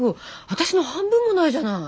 私の半分もないじゃない。